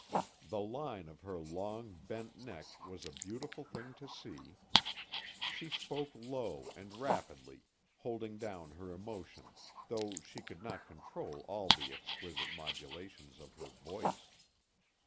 The line of her long, bent neck was a beautiful thing to see. She spoke low and rapidly, holding down her emotion, though she could not control all the exquisite modulations of her voice.